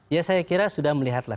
ya saya kira sudah melihatlah